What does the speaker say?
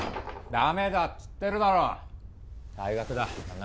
ダメだっつってるだろ退学だあんな